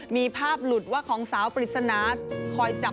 มีภาพหลุดว่าของสาวปริศนาคอยจับ